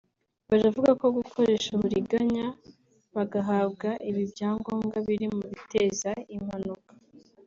Buravuga ko gukoresha uburiganya bagahabwa ibi byangombwa biri mu biteza impanuka